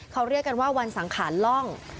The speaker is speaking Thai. เขาเรียกกันว่าวันสังขารล่อง